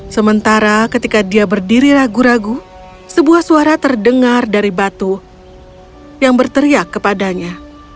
sementara ketika dia berdiri ragu ragu sebuah suara terdengar dari batu yang berteriak kepadanya